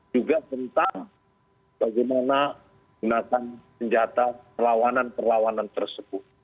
juga tentang bagaimana gunakan senjata perlawanan perlawanan tersebut